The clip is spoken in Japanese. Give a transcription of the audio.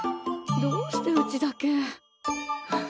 どうしてうちだけ？はあ